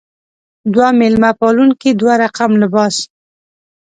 دوه میلمه پالونکې دوه رقم لباس.